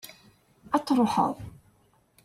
ad truḥeḍ